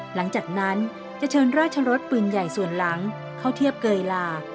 หลังจากนั้นจะเชิญราชรสปืนใหญ่ส่วนหลังเข้าเทียบเกยลา